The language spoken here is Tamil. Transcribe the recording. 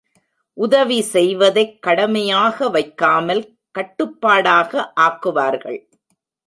உதவி செய்வதைக் கடமையாக வைக்காமல் கட்டுப்பாடாக ஆக்குவார்கள்.